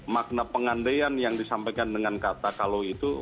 makna pengandaian yang disampaikan dengan kata kalau itu